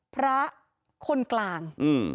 พระคนกลาง